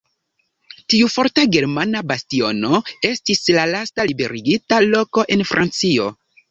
Tiu forta germana bastiono estis la lasta liberigita loko en Francio.